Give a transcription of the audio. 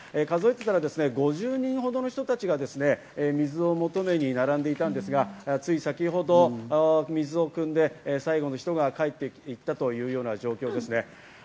数えていたら５０人ほどの人たちが水を求めに並んでいたんですが、つい先ほど水をくんで最後の人が帰っていったというような状況ですね。